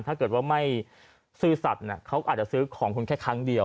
ถ้าเกิดว่าไม่ซื่อสัตว์เขาอาจจะซื้อของคุณแค่ครั้งเดียว